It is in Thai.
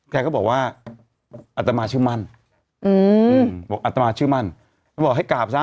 แกก็บอกว่าอัตมาเชื่อมั่นอืมบอกอัตมาเชื่อมั่นแล้วบอกให้กราบซะ